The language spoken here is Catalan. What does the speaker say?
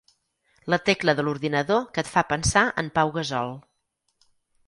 La tecla de l'ordinador que et fa pensar en Pau Gasol.